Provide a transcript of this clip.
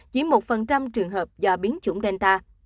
chỉ một trường hợp do biến chủng delta